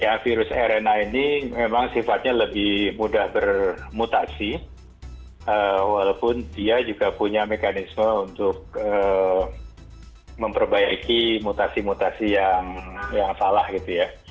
ya virus rna ini memang sifatnya lebih mudah bermutasi walaupun dia juga punya mekanisme untuk memperbaiki mutasi mutasi yang salah gitu ya